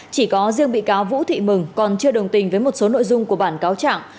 chỉ có riêng bị cáo vũ thị mừng còn chưa đồng tình với một số nội dung của bản cáo trạng